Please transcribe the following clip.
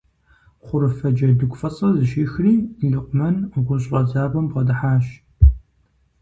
Хъурыфэ джэдыгу фӀыцӀэр зыщихри Лэкъумэн гъущӀ фӀэдзапӀэм бгъэдыхьащ.